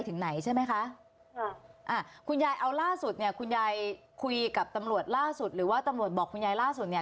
ถึงไหนใช่ไหมคะค่ะอ่าคุณยายเอาล่าสุดเนี่ยคุณยายคุยกับตำรวจล่าสุดหรือว่าตำรวจบอกคุณยายล่าสุดเนี่ย